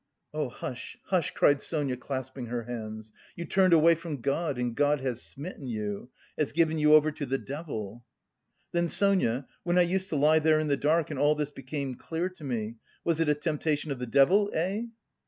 "Oh hush, hush," cried Sonia, clasping her hands. "You turned away from God and God has smitten you, has given you over to the devil!" "Then Sonia, when I used to lie there in the dark and all this became clear to me, was it a temptation of the devil, eh?"